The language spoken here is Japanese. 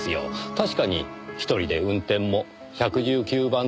確かに１人で運転も１１９番通報も出来ます。